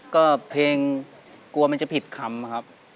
ก็เพลงกลัวมันจะผิดคำครับ